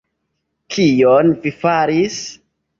Kion vi faris?